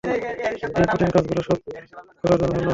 এই, কঠিন কাজগুলো সব করার জন্য ধন্যবাদ।